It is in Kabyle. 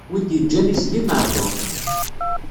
Wi d-iǧǧan izli maɛduṛ.